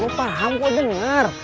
gua paham gua denger